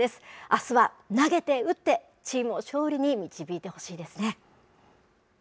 あすは投げて打って、チームを勝利に導いてほしいですね。